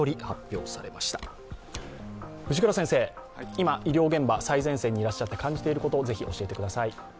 今医療現場、最前線にいらっしゃって感じていることを教えてください。